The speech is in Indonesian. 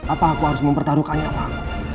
apa aku harus mempertaruhkannya sama kamu